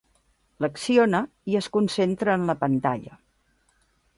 L'acciona i es concentra en la pantalla.